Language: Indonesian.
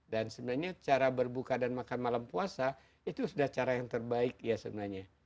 dan sebenarnya cara berbuka dan makan malam puasa itu sudah cara yang terbaik ya sebenarnya